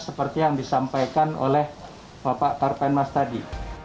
seperti yang disampaikan oleh bapak karpen mas tadi